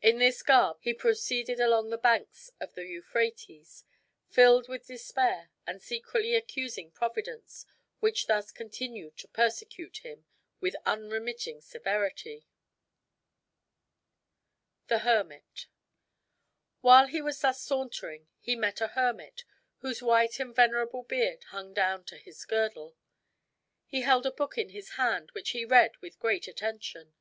In this garb he proceeded along the banks of the Euphrates, filled with despair, and secretly accusing Providence, which thus continued to persecute him with unremitting severity. THE HERMIT While he was thus sauntering he met a hermit, whose white and venerable beard hung down to his girdle. He held a book in his hand, which he read with great attention.